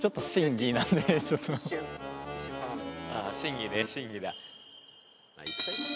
審議ね審議だ。